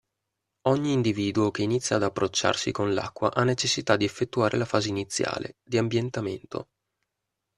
Ogni individuo che inizia ad approcciarsi con l'acqua ha necessità di effettuare la fase iniziale, di ambientamento.